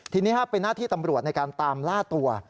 ทีนี้เป็นหน้าที่ตำรวจในการตามล่าตัว